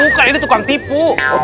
bukan ini tukang tipu